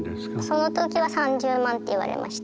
その時は「３０万」って言われました。